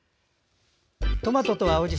トマトと青じ